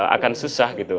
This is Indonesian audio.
akan susah gitu